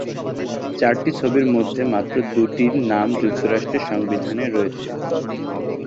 চারটি ছবির মধ্যে মাত্র দুটির নাম যুক্তরাষ্ট্রের সংবিধানে রয়েছে।